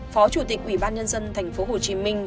phó chủ tịch ủy ban nhân dân tp hồ chí minh